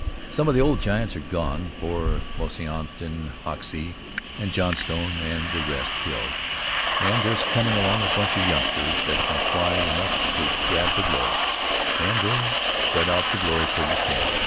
Some of the old giants are gone, poor Moisant and Hoxsey and Johnstone and the rest killed, and there's coming along a bunch of youngsters that can fly enough to grab the glory, and they spread out the glory pretty thin.